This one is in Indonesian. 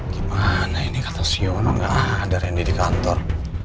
gimana ini kata siono nggak ada rendy di kantor